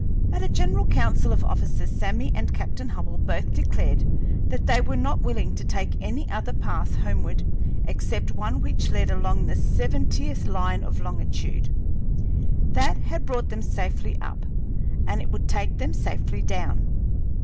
At a general council of officers, Sammy and Captain Hubbell both declared that they were not willing to take any other path homeward except one which led along the seventieth line of longitude. That had brought them safely up, and it would take them safely down.